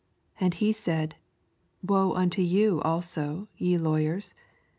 46 And he said, Woe unto you also, ve Lawyers